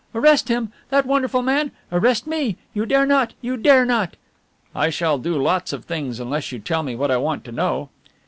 "Arrest him! That wonderful man! Arrest me? You dare not! You dare not!" "I shall dare do lots of things unless you tell me what I want to know."